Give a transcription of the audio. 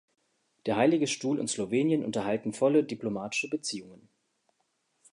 Der Heilige Stuhl und Slowenien unterhalten volle Diplomatische Beziehungen.